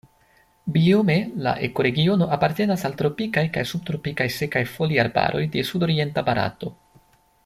Biome la ekoregiono apartenas al tropikaj kaj subtropikaj sekaj foliarbaroj de sudorienta Barato.